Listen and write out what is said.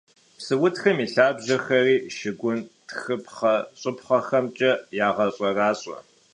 Psıutxım yi lhabjexeri şşıgun txıpxheş'ıpxhexemç'e yağeş'eraş'e.